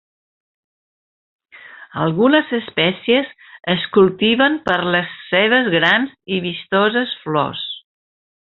Algunes espècies es cultiven per les seves grans i vistoses flors.